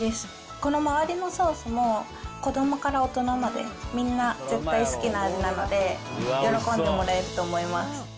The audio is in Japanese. この周りのソースも、子どもから大人まで、みんな絶対好きな味なので、喜んでもらえると思います。